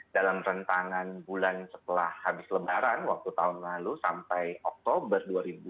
dalam rentangan bulan setelah habis lebaran waktu tahun lalu sampai oktober dua ribu dua puluh